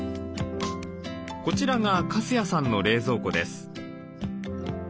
こちらが粕谷さんの冷蔵庫です。